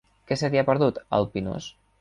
Què se t'hi ha perdut, al Pinós?